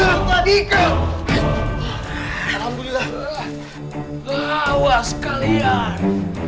aku akan mengembalai kepada kalian